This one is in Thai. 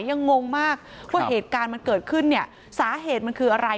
งงมากว่าเหตุการณ์มันเกิดขึ้นเนี่ยสาเหตุมันคืออะไร